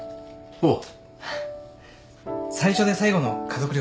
おう。